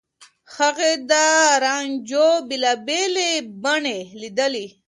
هغې د رانجو بېلابېلې بڼې ليدلي.